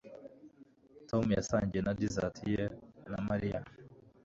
Tom yasangiye na dessert ye na Mariya